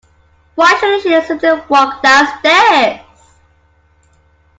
Why shouldn't she simply walk downstairs?